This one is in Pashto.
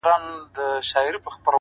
لوړ اخلاق خاموشه تبلیغ دی،